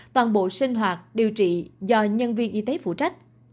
toàn bộ sinh hoạt điều trị do nhân viên y tế phụ trách